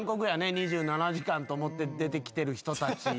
『２７時間』と思って出てきてる人たち。